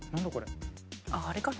あれかな？